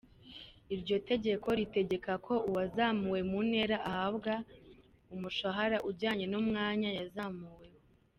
Iryo tegeko ritegeka ko uwazamuwe mu ntera ahabwa umushahara ujyanye n’ umwanya yazamuweho.